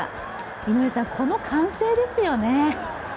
井上さん、この歓声ですよね。